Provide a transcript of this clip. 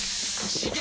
刺激！